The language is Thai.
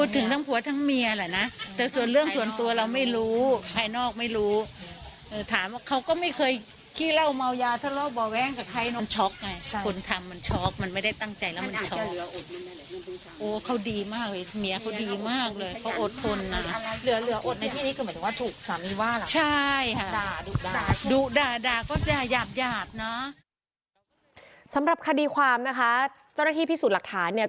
สำหรับคดีความนะคะเจ้าหน้าที่พิสูจน์หลักฐานเนี่ย